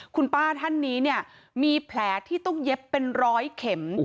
คุณป้าท่านนี้เนี่ยมีแผลที่ต้องเย็บเป็นร้อยเข็ม